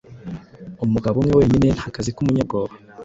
Umugabo umwe wenyine nta kazi kumunyabwoba